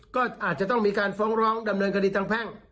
ก็อาจจะต้องมีการฟ้องร้องดำเนินคดีทางแพ่ง